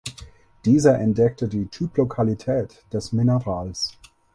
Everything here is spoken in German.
Dieser entdeckte die Typlokalität des Minerals.